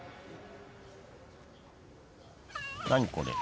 何これ？